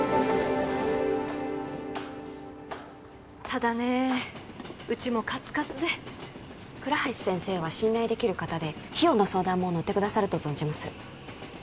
ただねうちもカツカツで倉橋先生は信頼できる方で費用の相談も乗ってくださると存じます